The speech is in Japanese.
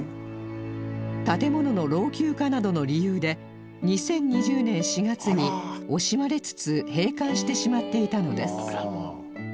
建物の老朽化などの理由で２０２０年４月に惜しまれつつ閉館してしまっていたのです